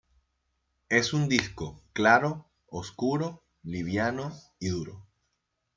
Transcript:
Es un disco claro, oscuro, liviano y duro.